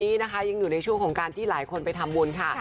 วันนี้นะคะยังอยู่ในช่วงของการที่หลายคนไปทำบุญค่ะ